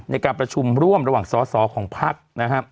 ในการประชุมร่วมระหว่างสอสอของภักดิ์นะครับ